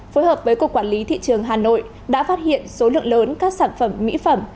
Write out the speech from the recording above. phối hợp với cục quản lý thị trường hà nội đã phát hiện số lượng lớn các sản phẩm mỹ phẩm